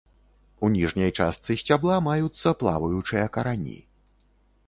У ніжняй частцы сцябла маюцца плаваючыя карані.